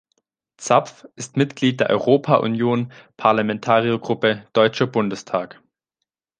Zapf ist Mitglied der Europa-Union Parlamentariergruppe Deutscher Bundestag.